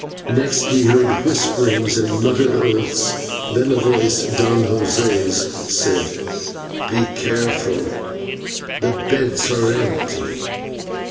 Next we heard whisperings and muttered oaths, then a voice, Don José's, said: "Be careful, the beds are empty."